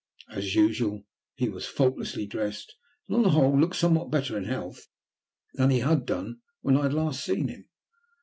As usual, he was faultlessly dressed, and on the whole looked somewhat better in health than he had done when I had last seen him.